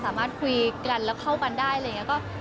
สามารถคุยกันแล้วเข้ากันได้อะไรอย่างนี้